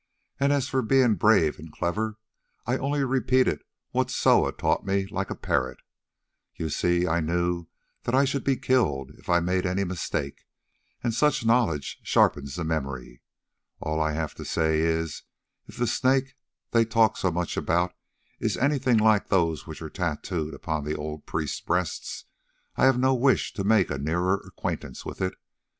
"And as for being brave and clever, I only repeated what Soa taught me like a parrot; you see I knew that I should be killed if I made any mistake, and such knowledge sharpens the memory. All I have to say is, if the Snake they talk so much about is anything like those which are tattooed upon the old priests' breasts, I have no wish to make a nearer acquaintance with it.